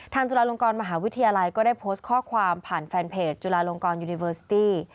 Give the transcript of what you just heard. จุฬาลงกรมหาวิทยาลัยก็ได้โพสต์ข้อความผ่านแฟนเพจจุฬาลงกรยูนิเวอร์สตี้